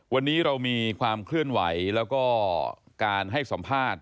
วันนี้เรามีความเคลื่อนไหวแล้วก็การให้สัมภาษณ์